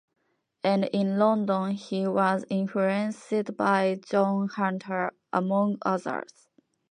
And in London he was influenced by John Hunter among others.